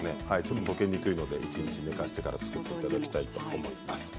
溶けにくいので一日寝かせて使っていただきたいと思います。